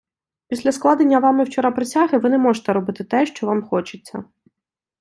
Після складення Вами вчора присяги, Ви не можете робити те що Вам хочеться.